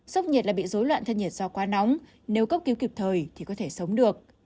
sốc nhiệt lại bị dối loạn thân nhiệt do quá nóng nếu cấp cứu kịp thời thì có thể sống được